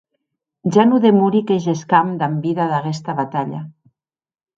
Ja non demori que gescam damb vida d’aguesta batalha.